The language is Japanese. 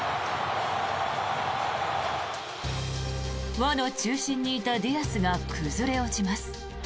輪の中心にいたディアスが崩れ落ちます。